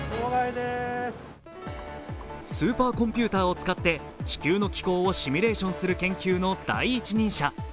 スーパーコンピューターを使って地球の気候をシミュレーションする研究の第一人者。